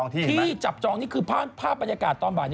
ที่จับจองนี่คือภาพบรรยากาศตอนบ่าย